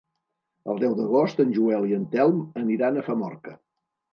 El deu d'agost en Joel i en Telm aniran a Famorca.